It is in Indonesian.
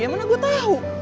ya mana gue tau